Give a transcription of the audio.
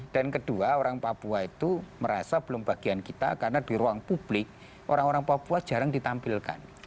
dan kedua orang papua itu merasa belum bagian kita karena di ruang publik orang orang papua jarang ditampilkan